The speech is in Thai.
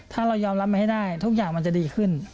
ถ้าเรายอมรับมาให้ได้ทุกอย่างมันจะดีขึ้น